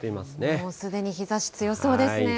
もうすでに日ざし強そうですね。